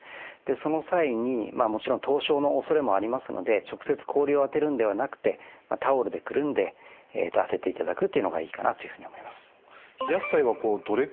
その際にもちろん凍傷の恐れもありますので直接氷を当てるんではなくてタオルでくるんで当てていただくというのがいいかなというふうに思います。